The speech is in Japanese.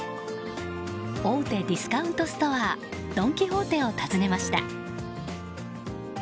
大手ディスカウントストアドン・キホーテを訪ねました。